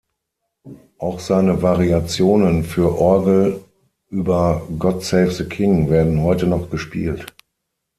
Auch seine Variationen für Orgel über "God save the King" werden heute noch gespielt.